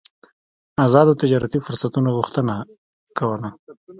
ازادو تجارتي فرصتونو غوښتنه کوله.